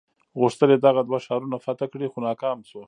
غوښتل یې دغه دوه ښارونه فتح کړي خو ناکام شو.